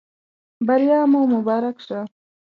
بریا مو مبارک شه.